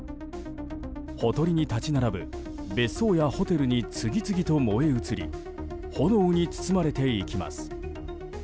ほとりに立ち並ぶ別荘やホテルに次々と燃え移り炎に包まれていきます。